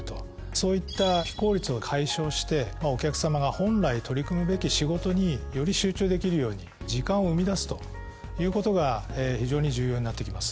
そういった非効率を解消してお客さまが本来取り組むべき仕事により集中できるように時間を生み出すということが非常に重要になってきます。